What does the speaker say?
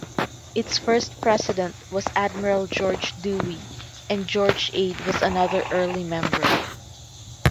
Its first president was Admiral George Dewey, and George Ade was another early member.